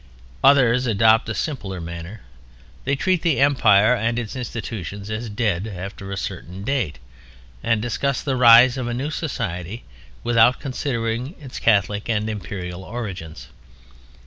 Others adopt a simpler manner. They treat the Empire and its institutions as dead after a certain date, and discuss the rise of a new society without considering its Catholic and Imperial origins.